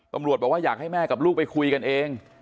ตำรวจบอกว่าอยากให้แม่กับลูกไปคุยกันเอง